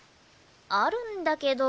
あるんだけど。